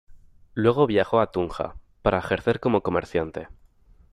Luego viajó a Tunja para ejercer como comerciante.